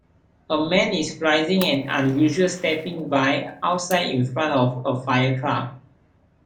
A man is rising an unusual stepping bike outside in front of a firetruck.